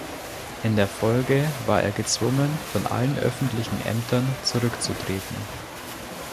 In der Folge war er gezwungen, von allen öffentlichen Ämtern zurückzutreten.